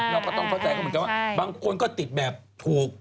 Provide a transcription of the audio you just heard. เราก็ต้องเข้าใจเขาเหมือนกันว่าบางคนก็ติดแบบถูก